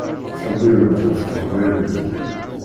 Tettḥebbiṛemt ɣef teqbaylit.